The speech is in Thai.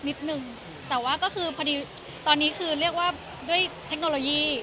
นิดนึงแต่ว่าคือตอนนี้ก็เรียกว่าด้วยเทคโนโลยี